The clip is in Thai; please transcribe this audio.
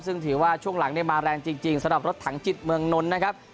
ซึ่งถือว่าช่วงหลังมาแรงจริงสำหรับรถถังจิตเมืองนนท์นะครับ